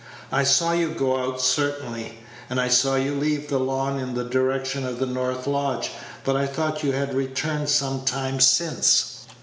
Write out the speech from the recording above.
"I saw you go out, certainly, and I saw you leave the lawn in the direction of the north lodge, but I thought you had returned some time since."